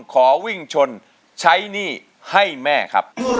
ขอวิ่งชนใช้หนี้ให้แม่ครับ